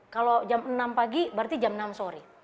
kalau jam enam pagi berarti jam enam sore